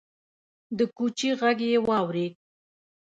د کوچي غږ يې واورېد: